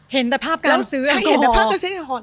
เห็นแต่ภาพการซื้อแอลกอฮอล์